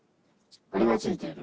俺はついている。